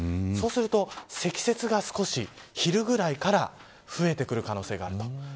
そうすると積雪が少し昼ぐらいから増えてくる可能性があると。